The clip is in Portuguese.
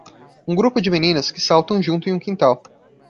Um grupo de meninas que saltam junto em um quintal.